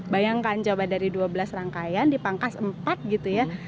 bayangkan coba dari dua belas rangkaian dipangkas empat gitu ya